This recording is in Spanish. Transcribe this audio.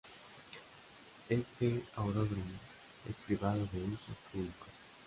Este aeródromo es privado de uso público.